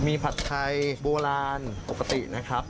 มีผัดไทยโบราณปกตินะครับ